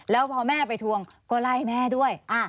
แล้วพอแม่ไปทวงก็ไล่แม่ด้วย